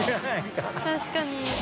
確かに。